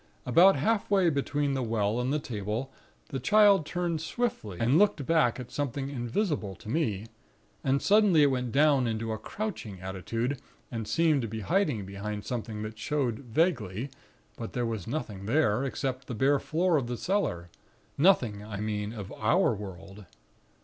About half way between the well and the table, the Child turned swiftly, and looked back at something invisible to me; and suddenly it went down into a crouching attitude, and seemed to be hiding behind something that showed vaguely; but there was nothing there, except the bare floor of the cellar; nothing, I mean, of our world.